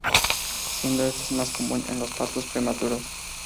Siendo esto más común en los partos prematuros.